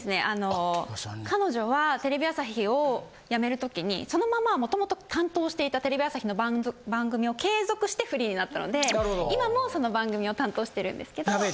あの彼女はテレビ朝日を辞める時にそのまま元々担当していたテレビ朝日の番組を継続してフリーになったので今もその番組を担当してるんですけど。